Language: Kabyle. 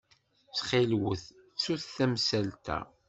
Ttxil-wet, ttut tamsalt-a.